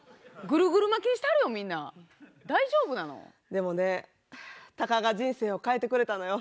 でもね鷹が人生を変えてくれたのよ。